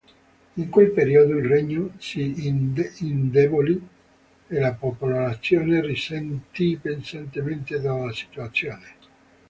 In quel periodo il regno si indebolì e la popolazione risentì pesantemente della situazione.